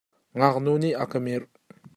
Ngaknu nih a ka mirh.